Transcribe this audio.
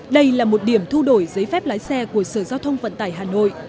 đây là một điểm thu đổi giấy phép lái xe của sở giao thông vận tải hà nội